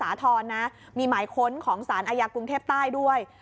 อ้างสาธรณมีหมายค้นของสารกรุงเทพนี่ด้วย